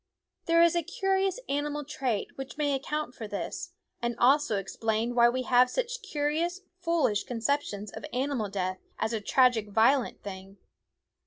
There is a curious animal trait which may account for this, and also explain why we have such curious, foolish conceptions of animal death as a tragic, violent thing.